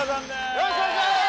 よろしくお願いします！